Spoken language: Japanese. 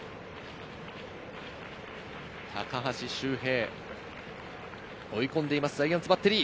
高橋周平、追い込んでいますジャイアンツバッテリー。